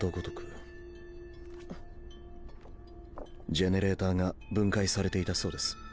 ジェネレーターが分解されていたそうです。